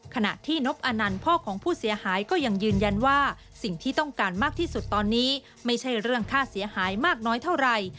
ขณะที่นบอนันต์พ่อของผู้เสียหายก็ยังยืนยันว่าสิ่งที่ต้องการมากที่สุดตอนนี้ไม่ใช่เรื่องค่าเสียหายมากน้อยเท่าไหร่